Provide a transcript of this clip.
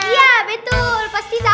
iya betul pasti tau kan